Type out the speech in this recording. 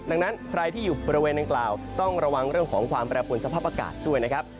ดังนั้นใครที่อยู่บริเวณดังกล่าวต้องระวังเรื่องของความแปรปวนสภาพอากาศด้วยนะครับ